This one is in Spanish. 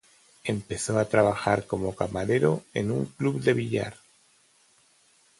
Empezó a trabajar como camarero en un club de billar.